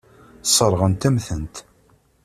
Sseṛɣent-am-tent.